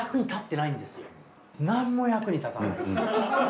なんも役に立たないと。